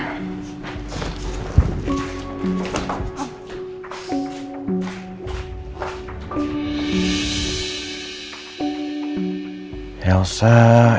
aku mau ke rumah